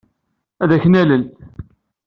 Ad ken-nalel.